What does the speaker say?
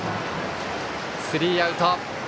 スリーアウト。